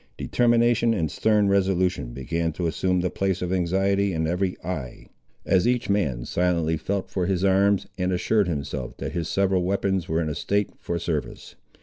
Determination and stern resolution began to assume the place of anxiety in every eye, as each man silently felt for his arms, and assured himself, that his several weapons were in a state for service.